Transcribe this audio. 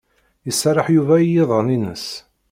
Iserreḥ Yuba i yiḍan-ines.